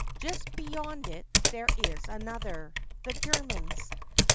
Just beyond it, there is another : the Germans.